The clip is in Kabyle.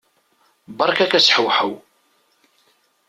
Berka-k ashewhew!